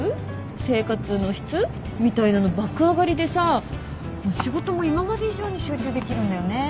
生活の質？みたいなの爆上がりでさ仕事も今まで以上に集中できるんだよね。